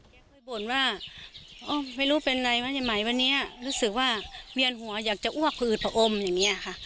เคยบ่นว่าไม่รู้เป็นอะไรวะใช่ไหมวันนี้รู้สึกว่าเวียนหัวอยากจะอ้วกผืดผอมอย่างนี้ค่ะ